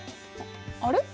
あれ？